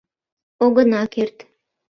— Огына керт.